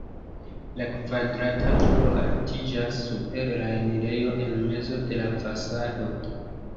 La kvadrata turo altiĝas super la enirejo en mezo de la fasado.